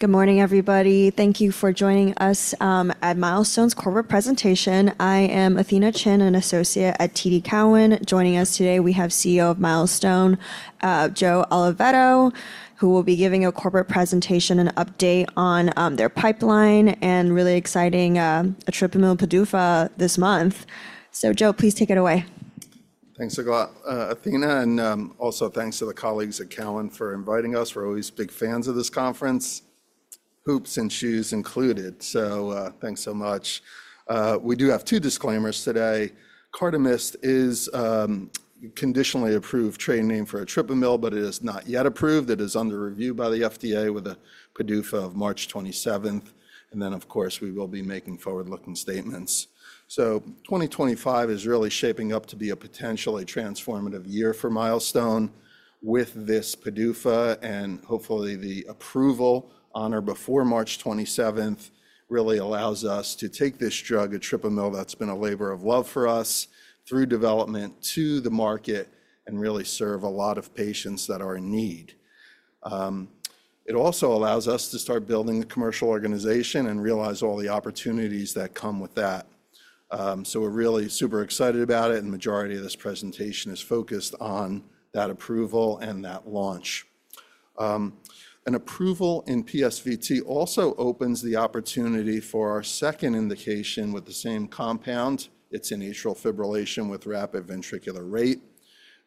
Good morning, everybody. Thank you for joining us at Milestone's corporate presentation. I am Athena Chin, an associate at TD Cowen. Joining us today, we have CEO of Milestone, Joe Oliveto, who will be giving a corporate presentation and update on their pipeline and really exciting etripamil PDUFA this month. Joe, please take it away. Thanks a lot, Athena, and also thanks to the colleagues at Cowen for inviting us. We're always big fans of this conference, hoops and shoes included. Thanks so much. We do have two disclaimers today. CARDAMYST is a conditionally approved trade name for etripamil, but it is not yet approved. It is under review by the FDA with a PDUFA of March 27th. Of course, we will be making forward-looking statements. 2025 is really shaping up to be a potentially transformative year for Milestone with this PDUFA, and hopefully the approval on or before March 27th really allows us to take this drug, etripamil, that's been a labor of love for us through development to the market and really serve a lot of patients that are in need. It also allows us to start building the commercial organization and realize all the opportunities that come with that. We are really super excited about it, and the majority of this presentation is focused on that approval and that launch. An approval in PSVT also opens the opportunity for our second indication with the same compound. It is in atrial fibrillation with rapid ventricular rate.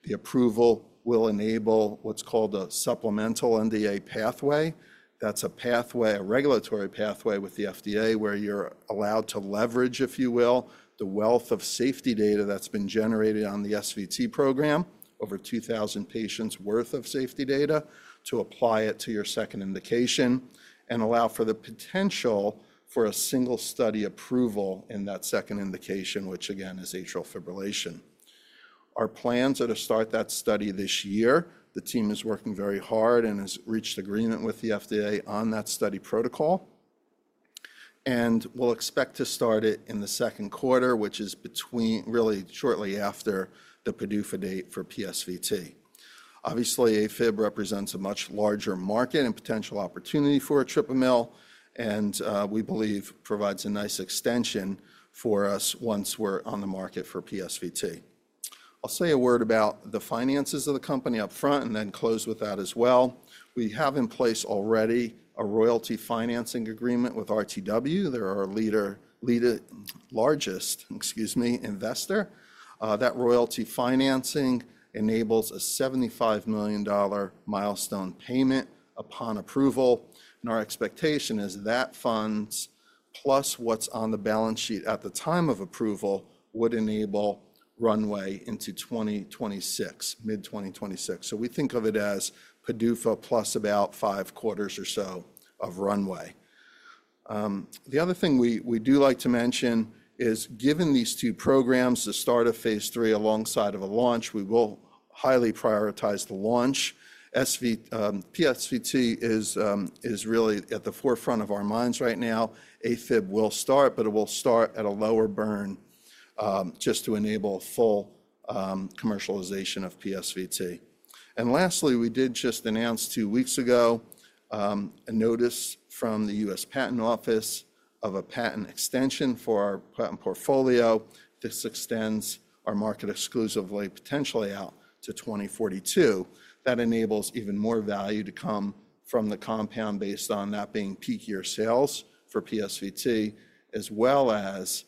The approval will enable what is called a supplemental NDA pathway. That is a pathway, a regulatory pathway with the FDA where you are allowed to leverage, if you will, the wealth of safety data that has been generated on the SVT program, over 2,000 patients' worth of safety data, to apply it to your second indication and allow for the potential for a single study approval in that second indication, which, again, is atrial fibrillation. Our plans are to start that study this year. The team is working very hard and has reached agreement with the FDA on that study protocol. We will expect to start it in the second quarter, which is really shortly after the PDUFA date for PSVT. Obviously, AFib represents a much larger market and potential opportunity for etripamil, and we believe provides a nice extension for us once we are on the market for PSVT. I will say a word about the finances of the company up front and then close with that as well. We have in place already a royalty financing agreement with RTW. They are our largest, excuse me, investor. That royalty financing enables a $75 million Milestone payment upon approval. Our expectation is that funds, plus what is on the balance sheet at the time of approval, would enable runway into 2026, mid-2026. We think of it as PDUFA plus about five quarters or so of runway. The other thing we do like to mention is, given these two programs, the start of Phase III alongside of a launch, we will highly prioritize the launch. PSVT is really at the forefront of our minds right now. AFib will start, but it will start at a lower burn just to enable full commercialization of PSVT. Lastly, we did just announce two weeks ago a notice from the U.S. Patent Office of a patent extension for our patent portfolio. This extends our market exclusivity potentially out to 2042. That enables even more value to come from the compound based on that being peak year sales for PSVT, as well as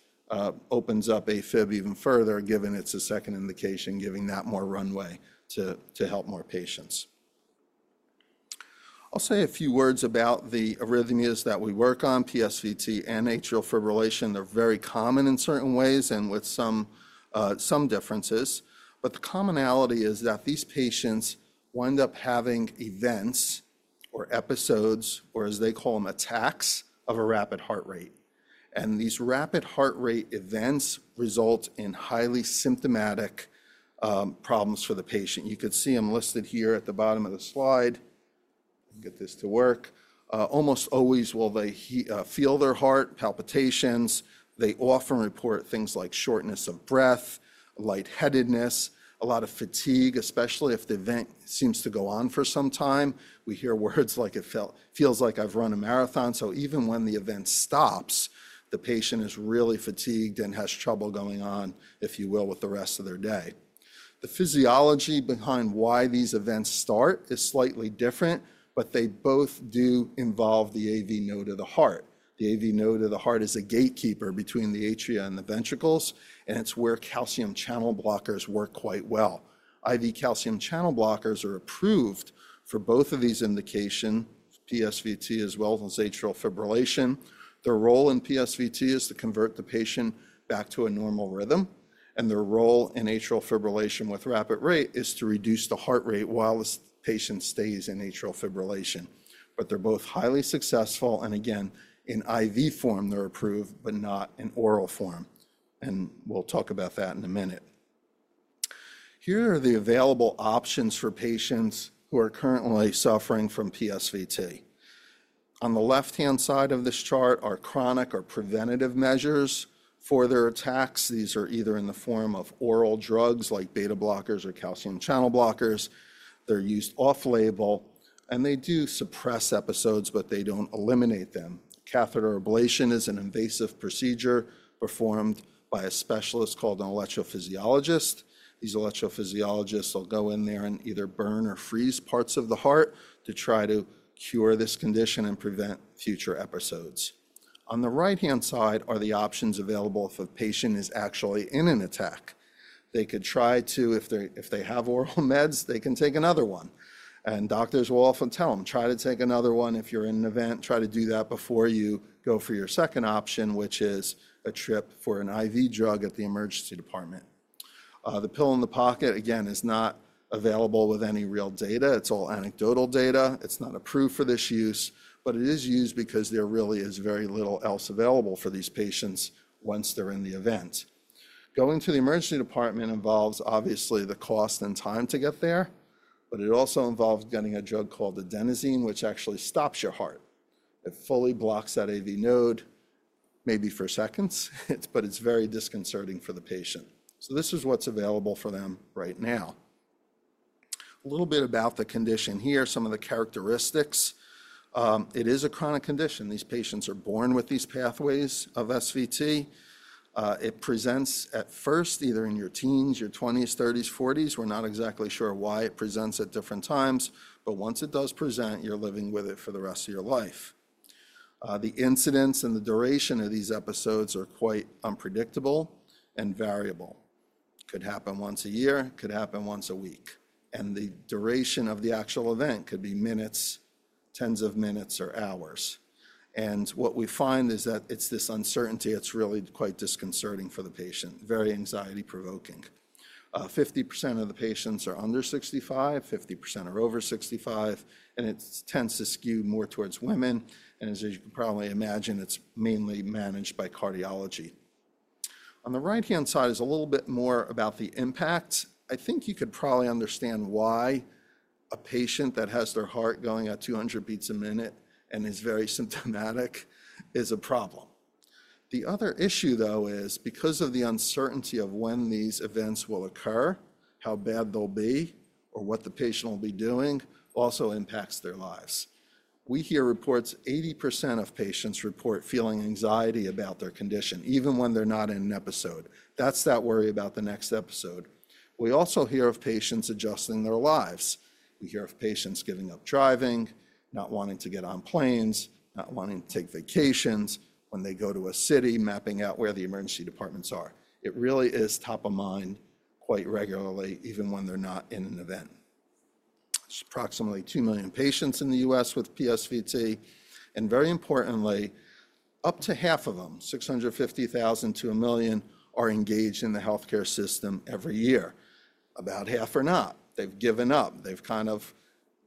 opens up AFib even further, given it is a second indication, giving that more runway to help more patients. I'll say a few words about the arrhythmias that we work on, PSVT and atrial fibrillation. They're very common in certain ways and with some differences. The commonality is that these patients wind up having events or episodes, or as they call them, attacks of a rapid heart rate. These rapid heart rate events result in highly symptomatic problems for the patient. You could see them listed here at the bottom of the slide. Get this to work. Almost always will they feel their heart, palpitations. They often report things like shortness of breath, lightheadedness, a lot of fatigue, especially if the event seems to go on for some time. We hear words like, "It feels like I've run a marathon." Even when the event stops, the patient is really fatigued and has trouble going on, if you will, with the rest of their day. The physiology behind why these events start is slightly different, but they both do involve the AV node of the heart. The AV node of the heart is a gatekeeper between the atria and the ventricles, and it's where calcium channel blockers work quite well. IV calcium channel blockers are approved for both of these indications, PSVT as well as atrial fibrillation. The role in PSVT is to convert the patient back to a normal rhythm, and their role in atrial fibrillation with rapid rate is to reduce the heart rate while this patient stays in atrial fibrillation. They are both highly successful, and again, in IV form, they're approved, but not in oral form. We'll talk about that in a minute. Here are the available options for patients who are currently suffering from PSVT. On the left-hand side of this chart are chronic or preventative measures for their attacks. These are either in the form of oral drugs like beta blockers or calcium channel blockers. They're used off-label, and they do suppress episodes, but they don't eliminate them. Catheter ablation is an invasive procedure performed by a specialist called an electrophysiologist. These electrophysiologists will go in there and either burn or freeze parts of the heart to try to cure this condition and prevent future episodes. On the right-hand side are the options available if a patient is actually in an attack. They could try to, if they have oral meds, they can take another one. Doctors will often tell them, "Try to take another one if you're in an event. Try to do that before you go for your second option, which is a trip for an IV drug at the emergency department. The pill in the pocket, again, is not available with any real data. It's all anecdotal data. It's not approved for this use, but it is used because there really is very little else available for these patients once they're in the event. Going to the emergency department involves, obviously, the cost and time to get there, but it also involves getting a drug called adenosine, which actually stops your heart. It fully blocks that AV node, maybe for seconds, but it's very disconcerting for the patient. This is what's available for them right now. A little bit about the condition here, some of the characteristics. It is a chronic condition. These patients are born with these pathways of SVT. It presents at first, either in your teens, your 20%s, 30%s, 40%s. We're not exactly sure why it presents at different times, but once it does present, you're living with it for the rest of your life. The incidence and the duration of these episodes are quite unpredictable and variable. Could happen once a year, could happen once a week. The duration of the actual event could be minutes, tens of minutes, or hours. What we find is that it's this uncertainty that's really quite disconcerting for the patient, very anxiety-provoking. 50% of the patients are under 65%, 50% are over 65%, and it tends to skew more towards women. As you can probably imagine, it's mainly managed by cardiology. On the right-hand side is a little bit more about the impact. I think you could probably understand why a patient that has their heart going at 200 beats a minute and is very symptomatic is a problem. The other issue, though, is because of the uncertainty of when these events will occur, how bad they'll be, or what the patient will be doing also impacts their lives. We hear reports 80% of patients report feeling anxiety about their condition, even when they're not in an episode. That's that worry about the next episode. We also hear of patients adjusting their lives. We hear of patients giving up driving, not wanting to get on planes, not wanting to take vacations when they go to a city, mapping out where the emergency departments are. It really is top of mind quite regularly, even when they're not in an event. Approximately 2 million patients in the U.S. with PSVT. Very importantly, up to half of them, 650,000-1 million, are engaged in the healthcare system every year. About half are not. They have given up. They have kind of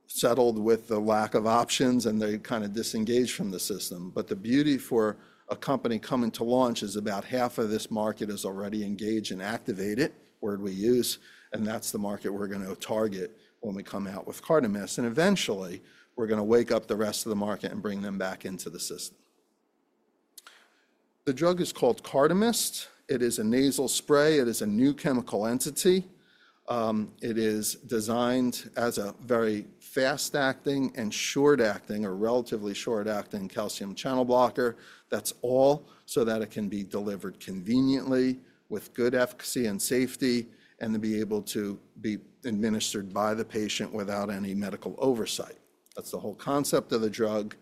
settled with the lack of options, and they have kind of disengaged from the system. The beauty for a company coming to launch is about half of this market is already engaged and activated, word we use, and that is the market we are going to target when we come out with CARDAMYST. Eventually, we are going to wake up the rest of the market and bring them back into the system. The drug is called CARDAMYST. It is a nasal spray. It is a new chemical entity. It is designed as a very fast-acting and short-acting, or relatively short-acting, calcium channel blocker. That's all so that it can be delivered conveniently with good efficacy and safety and be able to be administered by the patient without any medical oversight. That's the whole concept of the drug.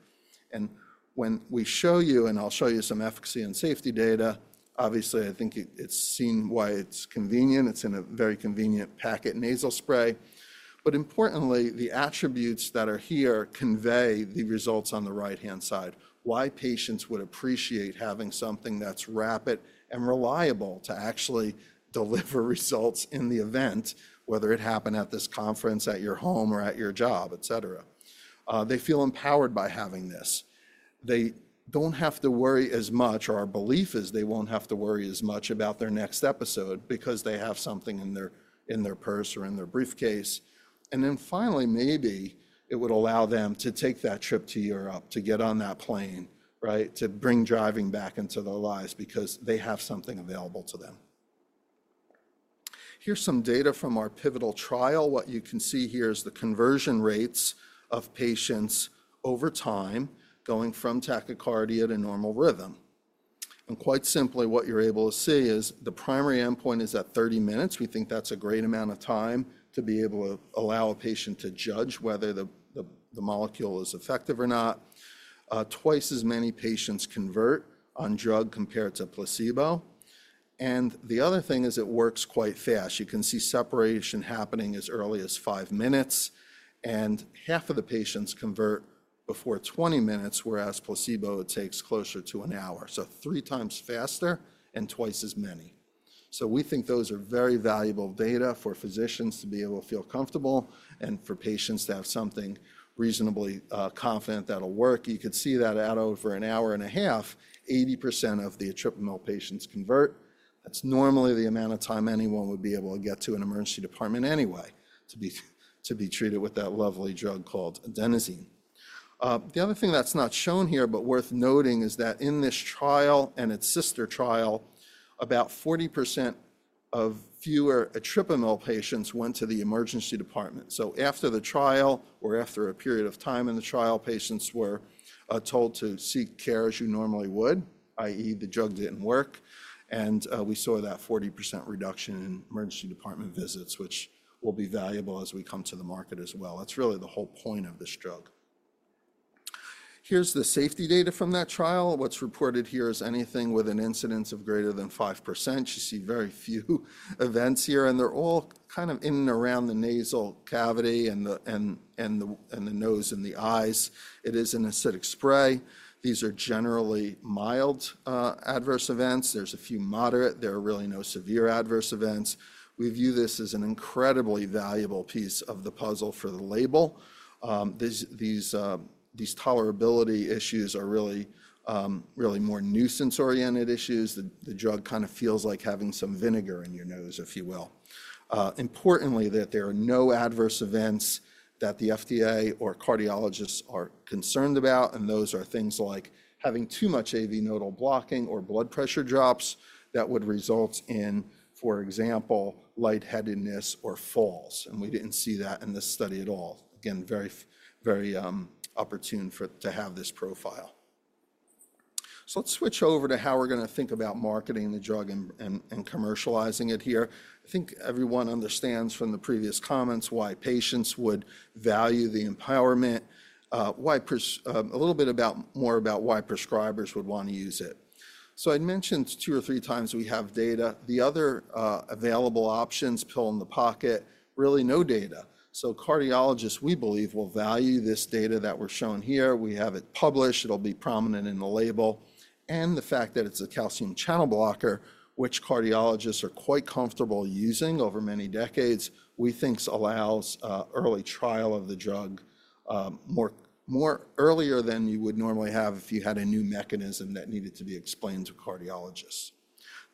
When we show you, and I'll show you some efficacy and safety data, obviously, I think it's seen why it's convenient. It's in a very convenient packet nasal spray. Importantly, the attributes that are here convey the results on the right-hand side, why patients would appreciate having something that's rapid and reliable to actually deliver results in the event, whether it happened at this conference, at your home, or at your job, et cetera. They feel empowered by having this. They don't have to worry as much, or our belief is they won't have to worry as much about their next episode because they have something in their purse or in their briefcase. Finally, maybe it would allow them to take that trip to Europe to get on that plane, right, to bring driving back into their lives because they have something available to them. Here's some data from our pivotal trial. What you can see here is the conversion rates of patients over time going from tachycardia to normal rhythm. Quite simply, what you're able to see is the primary endpoint is at 30 minutes. We think that's a great amount of time to be able to allow a patient to judge whether the molecule is effective or not. Twice as many patients convert on drug compared to placebo. The other thing is it works quite fast. You can see separation happening as early as five minutes, and half of the patients convert before 20 minutes, whereas placebo takes closer to an hour. Three times faster and twice as many. We think those are very valuable data for physicians to be able to feel comfortable and for patients to have something reasonably confident that'll work. You could see that out over an hour and a half, 80% of the atrial patients convert. That's normally the amount of time anyone would be able to get to an emergency department anyway to be treated with that lovely drug called adenosine. The other thing that's not shown here, but worth noting, is that in this trial and its sister trial, about 40% fewer atrial patients went to the emergency department. After the trial or after a period of time in the trial, patients were told to seek care as you normally would, i.e., the drug didn't work. We saw that 40% reduction in emergency department visits, which will be valuable as we come to the market as well. That's really the whole point of this drug. Here's the safety data from that trial. What's reported here is anything with an incidence of greater than 5%. You see very few events here, and they're all kind of in and around the nasal cavity and the nose and the eyes. It is an acidic spray. These are generally mild adverse events. There's a few moderate. There are really no severe adverse events. We view this as an incredibly valuable piece of the puzzle for the label. These tolerability issues are really more nuisance-oriented issues. The drug kind of feels like having some vinegar in your nose, if you will. Importantly, there are no adverse events that the FDA or cardiologists are concerned about, and those are things like having too much AV nodal blocking or blood pressure drops that would result in, for example, lightheadedness or falls. We did not see that in this study at all. Again, very opportune to have this profile. Let's switch over to how we're going to think about marketing the drug and commercializing it here. I think everyone understands from the previous comments why patients would value the empowerment, a little bit more about why prescribers would want to use it. I'd mentioned two or three times we have data. The other available options, pill in the pocket, really no data. Cardiologists, we believe, will value this data that we're showing here. We have it published. It will be prominent in the label. The fact that it's a calcium channel blocker, which cardiologists are quite comfortable using over many decades, we think allows early trial of the drug more earlier than you would normally have if you had a new mechanism that needed to be explained to cardiologists.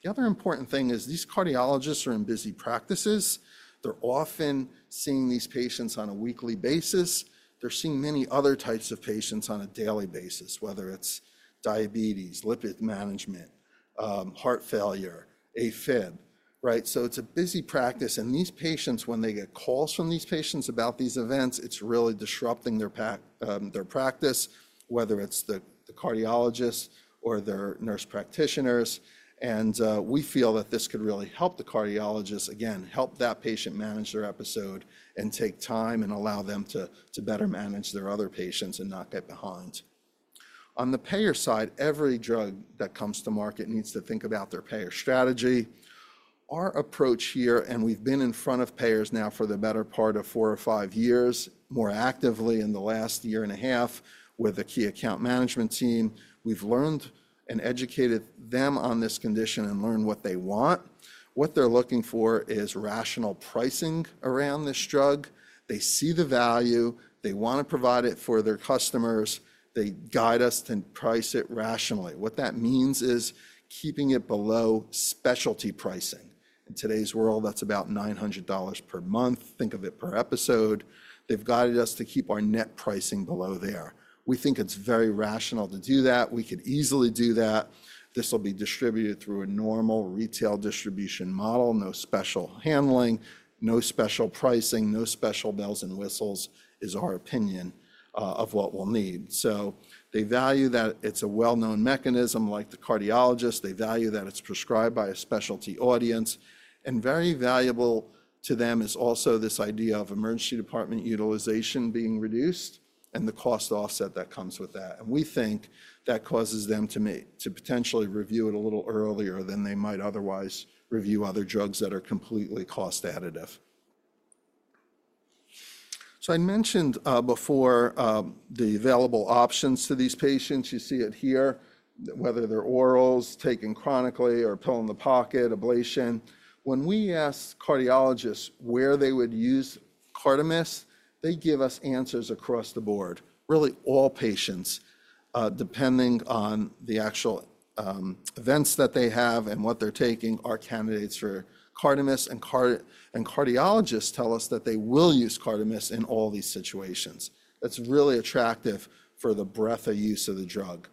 The other important thing is these cardiologists are in busy practices. They're often seeing these patients on a weekly basis. They're seeing many other types of patients on a daily basis, whether it's diabetes, lipid management, heart failure, AFib, right? It's a busy practice. These patients, when they get calls from these patients about these events, it's really disrupting their practice, whether it's the cardiologists or their nurse practitioners. We feel that this could really help the cardiologists, again, help that patient manage their episode and take time and allow them to better manage their other patients and not get behind. On the payer side, every drug that comes to market needs to think about their payer strategy. Our approach here, and we've been in front of payers now for the better part of four or five years, more actively in the last year and a half with the key account management team. We've learned and educated them on this condition and learned what they want. What they're looking for is rational pricing around this drug. They see the value. They want to provide it for their customers. They guide us to price it rationally. What that means is keeping it below specialty pricing. In today's world, that's about $900 per month, think of it per episode. They've guided us to keep our net pricing below there. We think it's very rational to do that. We could easily do that. This will be distributed through a normal retail distribution model, no special handling, no special pricing, no special bells and whistles, is our opinion of what we'll need. They value that it's a well-known mechanism like the cardiologist. They value that it's prescribed by a specialty audience. Very valuable to them is also this idea of emergency department utilization being reduced and the cost offset that comes with that. We think that causes them to potentially review it a little earlier than they might otherwise review other drugs that are completely cost additive. I mentioned before the available options to these patients. You see it here, whether they're orals, taken chronically, or pill in the pocket, ablation. When we ask cardiologists where they would use CARDAMYST, they give us answers across the board. Really, all patients, depending on the actual events that they have and what they're taking, are candidates for CARDAMYST. Cardiologists tell us that they will use CARDAMYST in all these situations. That's really attractive for the breadth of use of the drug.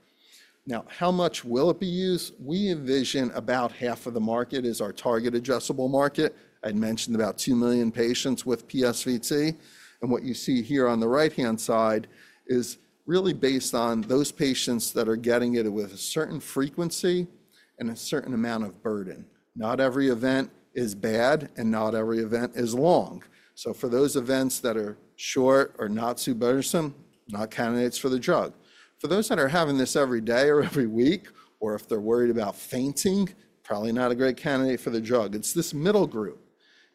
Now, how much will it be used? We envision about half of the market is our target addressable market. I'd mentioned about 2 million patients with PSVT. What you see here on the right-hand side is really based on those patients that are getting it with a certain frequency and a certain amount of burden. Not every event is bad and not every event is long. For those events that are short or not too burdensome, not candidates for the drug. For those that are having this every day or every week, or if they're worried about fainting, probably not a great candidate for the drug. It's this middle group.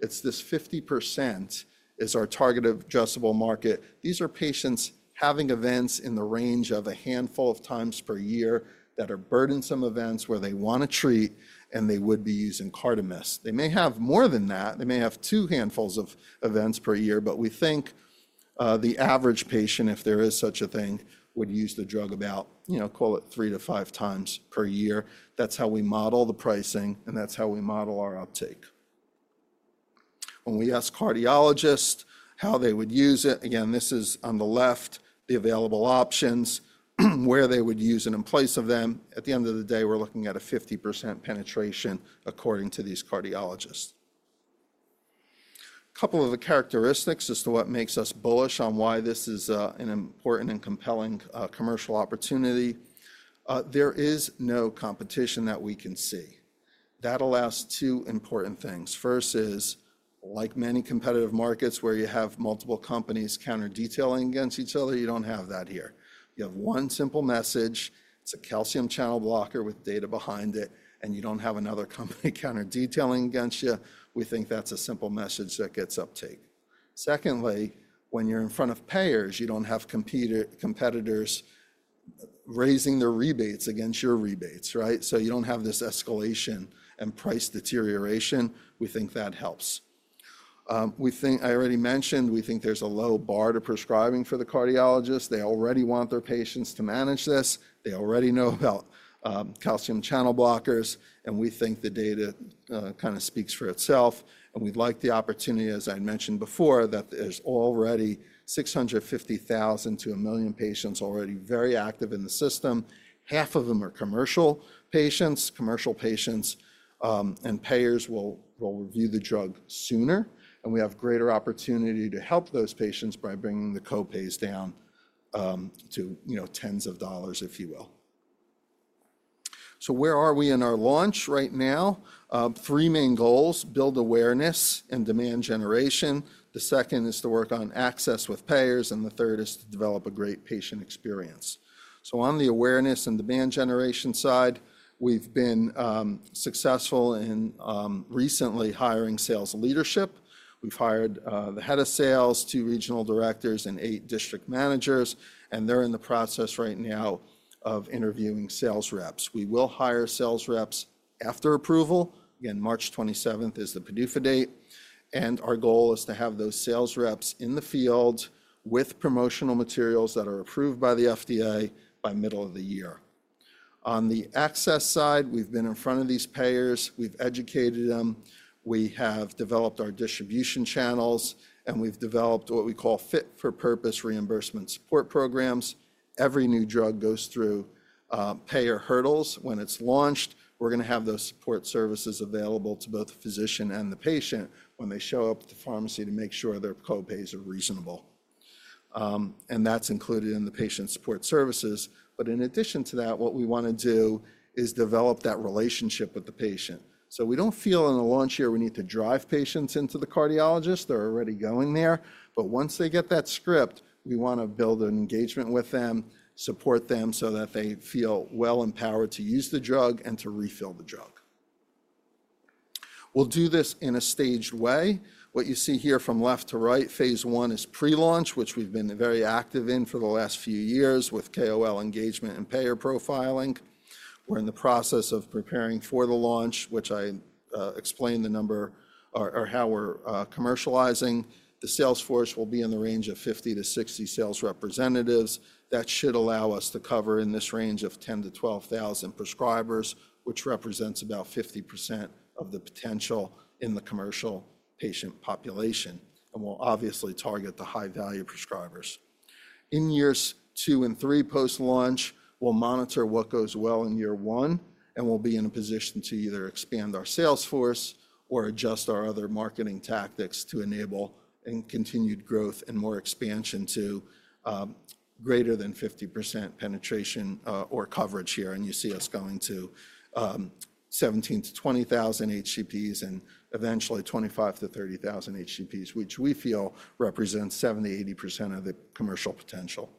It's this 50% is our target addressable market. These are patients having events in the range of a handful of times per year that are burdensome events where they want to treat and they would be using CARDAMYST. They may have more than that. They may have two handfuls of events per year, but we think the average patient, if there is such a thing, would use the drug about, you know, call it 3x-5x per year. That's how we model the pricing, and that's how we model our uptake. When we ask cardiologists how they would use it, again, this is on the left, the available options, where they would use it in place of them. At the end of the day, we're looking at a 50% penetration according to these cardiologists. A couple of the characteristics as to what makes us bullish on why this is an important and compelling commercial opportunity. There is no competition that we can see. That allows two important things. First is, like many competitive markets where you have multiple companies counter-detailing against each other, you don't have that here. You have one simple message. It's a calcium channel blocker with data behind it, and you don't have another company counter-detailing against you. We think that's a simple message that gets uptake. Secondly, when you're in front of payers, you don't have competitors raising their rebates against your rebates, right? You don't have this escalation and price deterioration. We think that helps. I already mentioned we think there's a low bar to prescribing for the cardiologists. They already want their patients to manage this. They already know about calcium channel blockers, and we think the data kind of speaks for itself. We'd like the opportunity, as I mentioned before, that there's already 650,000-1 million patients already very active in the system. Half of them are commercial patients. Commercial patients and payers will review the drug sooner, and we have greater opportunity to help those patients by bringing the copays down to, you know, tens of dollars, if you will. Where are we in our launch right now? Three main goals: build awareness and demand generation. The second is to work on access with payers, and the third is to develop a great patient experience. On the awareness and demand generation side, we've been successful in recently hiring sales leadership. We've hired the head of sales, two regional directors, and eight district managers, and they're in the process right now of interviewing sales reps. We will hire sales reps after approval. March 27th is the PDUFA date, and our goal is to have those sales reps in the field with promotional materials that are approved by the FDA by middle of the year. On the access side, we've been in front of these payers. We've educated them. We have developed our distribution channels, and we've developed what we call fit-for-purpose reimbursement support programs. Every new drug goes through payer hurdles. When it's launched, we're going to have those support services available to both the physician and the patient when they show up at the pharmacy to make sure their copays are reasonable. That's included in the patient support services. In addition to that, what we want to do is develop that relationship with the patient. We don't feel in the launch year we need to drive patients into the cardiologist. They're already going there. Once they get that script, we want to build an engagement with them, support them so that they feel well empowered to use the drug and to refill the drug. We'll do this in a staged way. What you see here from left to right, Phase I is pre-launch, which we've been very active in for the last few years with KOL engagement and payer profiling. We're in the process of preparing for the launch, which I explained the number or how we're commercializing. The sales force will be in the range of 50-60 sales representatives. That should allow us to cover in this range of 10,000-12,000 prescribers, which represents about 50% of the potential in the commercial patient population. We'll obviously target the high-value prescribers. In years two and three post-launch, we'll monitor what goes well in year one, and we'll be in a position to either expand our sales force or adjust our other marketing tactics to enable continued growth and more expansion to greater than 50% penetration or coverage here. You see us going to 17,000-20,000 HCPs and eventually 25,000-30,000 HCPs, which we feel represents 70%-80% of the commercial potential.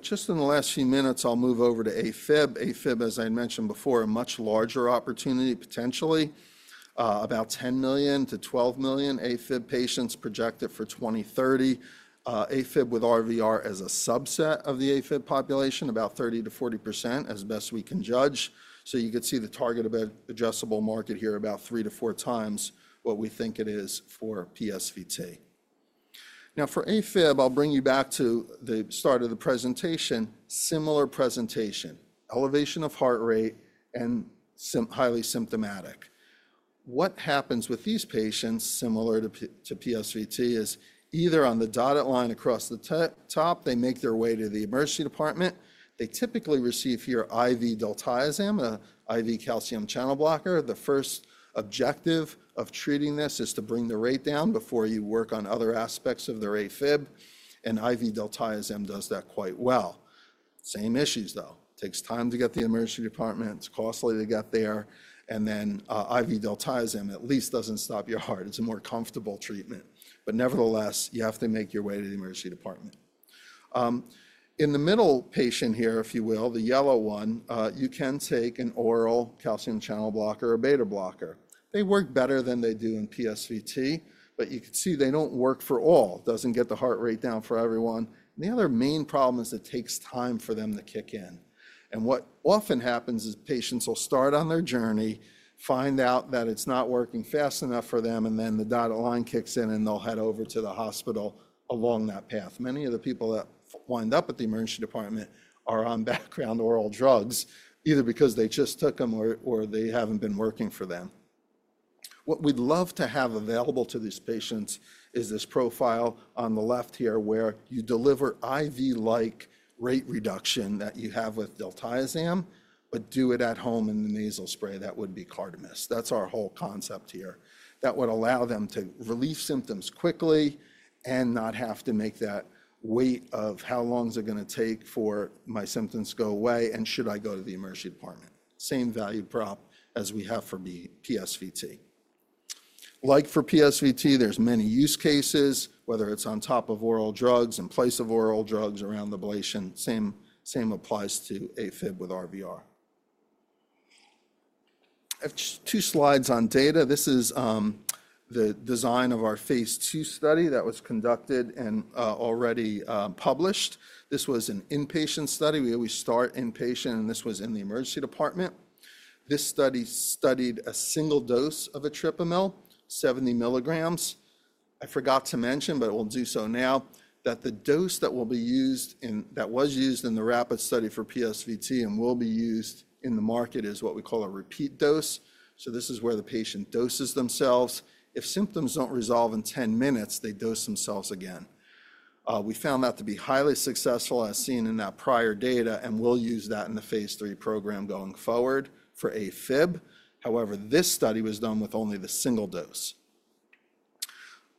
Just in the last few minutes, I'll move over to AFib. AFib, as I mentioned before, a much larger opportunity potentially, about 10 million-12 million AFib patients projected for 2030. AFib with RVR as a subset of the AFib population, about 30%-40% as best we can judge. You could see the target of adjustable market here about three to four times what we think it is for PSVT. Now, for AFib, I'll bring you back to the start of the presentation, similar presentation, elevation of heart rate and highly symptomatic. What happens with these patients, similar to PSVT, is either on the dotted line across the top, they make their way to the emergency department. They typically receive here IV diltiazem, an IV calcium channel blocker. The first objective of treating this is to bring the rate down before you work on other aspects of their AFib, and IV diltiazem does that quite well. Same issues, though. It takes time to get to the emergency department. It's costly to get there. IV diltiazem at least does not stop your heart. It is a more comfortable treatment. Nevertheless, you have to make your way to the emergency department. In the middle patient here, if you will, the yellow one, you can take an oral calcium channel blocker or beta blocker. They work better than they do in PSVT, but you can see they do not work for all. It does not get the heart rate down for everyone. The other main problem is it takes time for them to kick in. What often happens is patients will start on their journey, find out that it is not working fast enough for them, and then the dotted line kicks in and they will head over to the hospital along that path. Many of the people that wind up at the emergency department are on background oral drugs, either because they just took them or they haven't been working for them. What we'd love to have available to these patients is this profile on the left here where you deliver IV-like rate reduction that you have with diltiazem, but do it at home in the nasal spray. That would be CARDAMYST. That's our whole concept here. That would allow them to relieve symptoms quickly and not have to make that weight of how long is it going to take for my symptoms to go away and should I go to the emergency department. Same value prop as we have for PSVT. Like for PSVT, there's many use cases, whether it's on top of oral drugs, in place of oral drugs, around the ablation. Same applies to AFib with RVR. I have two slides on data. This is the design of our Phase II study that was conducted and already published. This was an inpatient study. We always start inpatient, and this was in the emergency department. This study studied a single dose of etripamil, 70 mg I forgot to mention, but I'll do so now, that the dose that will be used and that was used in the RAPID study for PSVT and will be used in the market is what we call a repeat dose. This is where the patient doses themselves. If symptoms don't resolve in 10 minutes, they dose themselves again. We found that to be highly successful, as seen in that prior data, and we'll use that in the Phase III program going forward for AFib. However, this study was done with only the single dose.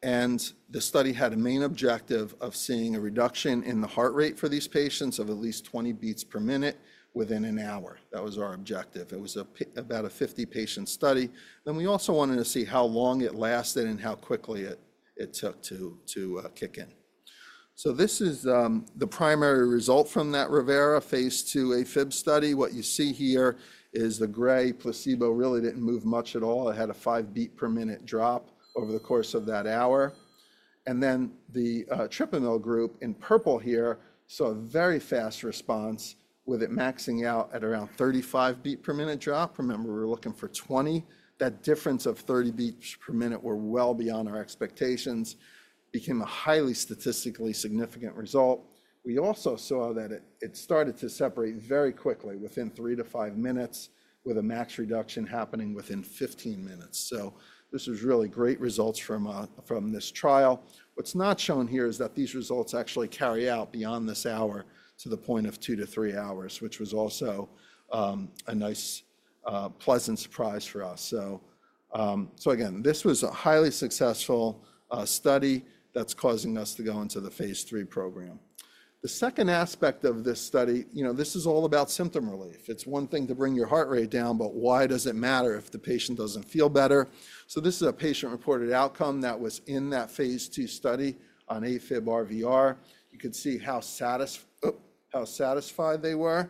The study had a main objective of seeing a reduction in the heart rate for these patients of at least 20 beats per minute within an hour. That was our objective. It was about a 50-patient study. We also wanted to see how long it lasted and how quickly it took to kick in. This is the primary result from that ReVeRA Phase II AFib study. What you see here is the gray placebo really did not move much at all. It had a five beat per minute drop over the course of that hour. The etripamil group in purple here saw a very fast response with it maxing out at around 35 beat per minute drop. Remember, we are looking for 20. That difference of 30 beats per minute was well beyond our expectations, became a highly statistically significant result. We also saw that it started to separate very quickly within three to five minutes, with a max reduction happening within 15 minutes. This was really great results from this trial. What's not shown here is that these results actually carry out beyond this hour to the point of two to three hours, which was also a nice, pleasant surprise for us. Again, this was a highly successful study that's causing us to go into the Phase III program. The second aspect of this study, you know, this is all about symptom relief. It's one thing to bring your heart rate down, but why does it matter if the patient doesn't feel better? This is a patient-reported outcome that was in that Phase II study on AFib RVR. You could see how satisfied they were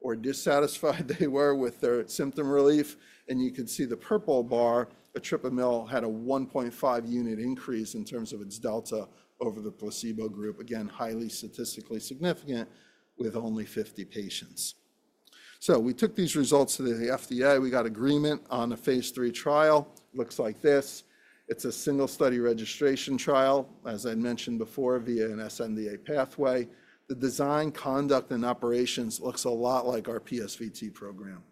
or dissatisfied they were with their symptom relief. You could see the purple bar, etripamil had a 1.5 unit increase in terms of its delta over the placebo group. Again, highly statistically significant with only 50 patients. We took these results to the FDA. We got agreement on a Phase III trial. Looks like this. It's a single study registration trial, as I mentioned before, via an sNDA pathway. The design, conduct, and operations looks a lot like our PSVT program.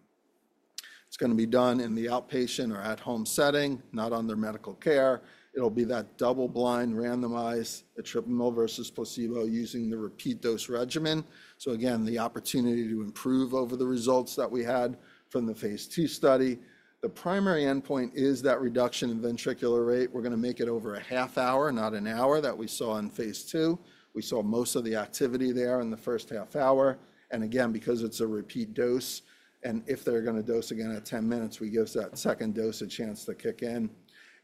It's going to be done in the outpatient or at-home setting, not on their medical care. It'll be that double-blind randomized etripamil versus placebo using the repeat dose regimen. Again, the opportunity to improve over the results that we had from the Phase II study. The primary endpoint is that reduction in ventricular rate. We're going to make it over a half hour, not an hour, that we saw in Phase II. We saw most of the activity there in the first half hour. Again, because it's a repeat dose, and if they're going to dose again at 10 minutes, we give that second dose a chance to kick in.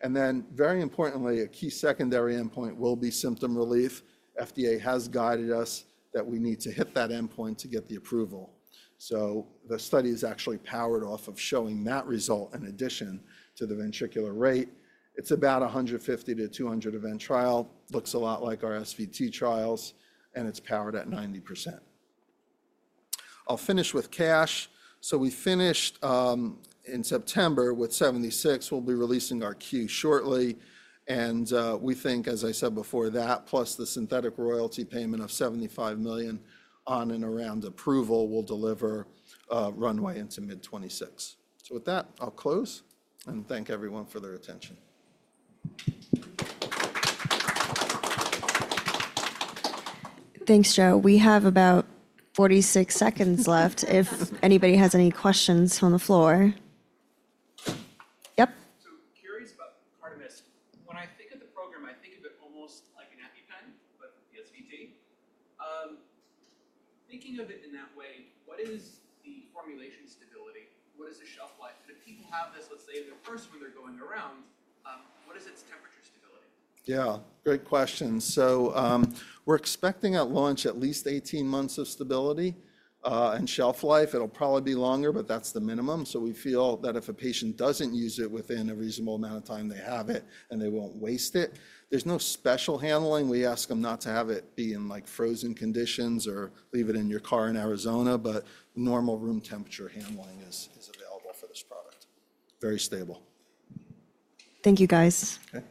Very importantly, a key secondary endpoint will be symptom relief. FDA has guided us that we need to hit that endpoint to get the approval. The study is actually powered off of showing that result in addition to the ventricular rate. It's about 150-200 of N trial. Looks a lot like our SVT trials, and it's powered at 90%. I'll finish with cash. We finished in September with $76 million. We'll be releasing our Q shortly. We think, as I said before, that plus the synthetic royalty payment of $75 million on and around approval will deliver a runway into mid-2026. With that, I'll close and thank everyone for their attention. Thanks, Joe. We have about 46 seconds left if anybody has any questions on the floor. Yep. Curious about CARDAMYST. When I think of the program, I think of it almost like an EpiPen, but PSVT. Thinking of it in that way, what is the formulation stability? What is the shelf life? If people have this, let's say, in their purse when they're going around, what is its temperature stability? Great question. We're expecting at launch at least 18 months of stability and shelf life. It'll probably be longer, but that's the minimum. We feel that if a patient doesn't use it within a reasonable amount of time, they have it and they won't waste it. There's no special handling. We ask them not to have it be in like frozen conditions or leave it in your car in Arizona, but normal room temperature handling is available for this product. Very stable. Thank you, guys. Okay.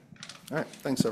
All right. Thanks, all.